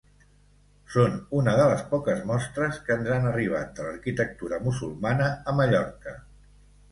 Són una de les poques mostres que ens han arribat de l'arquitectura musulmana a Mallorca.